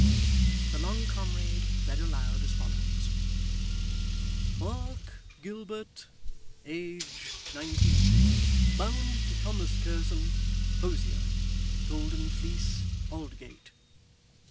The long comrade read aloud as follows: 'Mark Gilbert. Age, nineteen. Bound to Thomas Curzon, hosier, Golden Fleece, Aldgate.